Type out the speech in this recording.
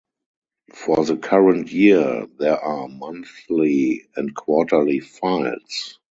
For the current year there are monthly and quarterly files.